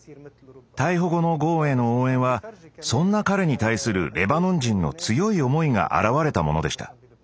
逮捕後のゴーンへの応援はそんな彼に対するレバノン人の強い思いが表れたものでした。